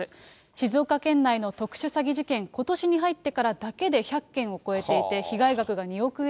静岡県内の特殊詐欺事件、ことしに入ってからだけで１００件を超えていて、被害額が２億円